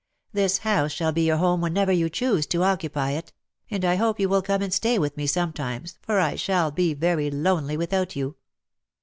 This house shall 1)6 your home whenever you choose to occupy it ; and I hope you will come and stay with me some times, for I shall be very lonely without you.